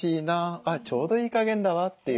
「あっちょうどいい加減だわ」っていう